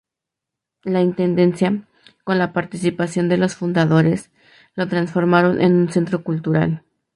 La Intendencia, con la participación de los fundadores, lo transformaron en un centro cultural.